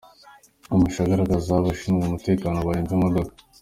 Amashusho agaragaza abashinzwe umutekano barinze imodoka.